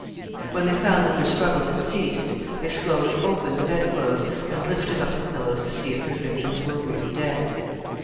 When they found that their struggles had ceased, they slowly opened the bed clothes and lifted up the pillows to see if their victims were really dead.